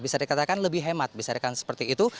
bisa dikatakan lebih hemat bisa dikatakan seperti itu